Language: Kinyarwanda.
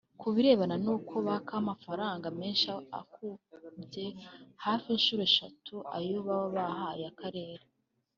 Ku birebana n’uko baka amafaranga mesnhi akubye hafi inshuro eshatu ayo baba bahaye akarere